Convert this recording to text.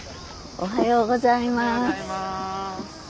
・おはようございます。